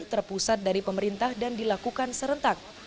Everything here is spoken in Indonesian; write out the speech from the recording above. terpusat dari pemerintah dan dilakukan serentak